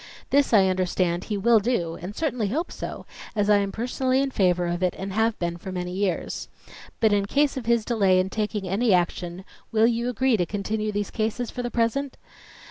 This, I understand, he will do and certainly hope so, as I am personally in favor of it and have been for many years. But in case of his delay in taking any action, will you agree to continue these cases for the present?